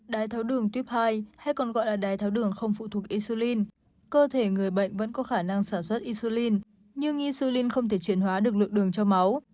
đai tháo đường type hai hay còn gọi là đai tháo đường không phụ thuộc isulin cơ thể người bệnh vẫn có khả năng sản xuất isulin nhưng isulin không thể chuyển hóa được lượng đường cho máu